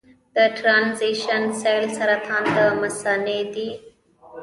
د ټرانزیشنل سیل سرطان د مثانې دی.